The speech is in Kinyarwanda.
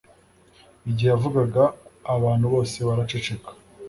Igihe yavugaga abantu bose baraceceka